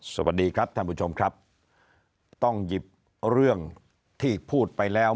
สวัสดีครับท่านผู้ชมครับต้องหยิบเรื่องที่พูดไปแล้ว